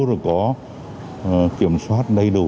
rồi có kiểm soát đầy đủ